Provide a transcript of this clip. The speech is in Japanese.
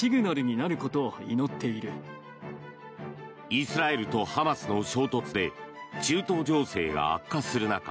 イスラエルとハマスの衝突で中東情勢が悪化する中